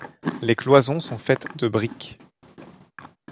Les cloisons sont faites de briques.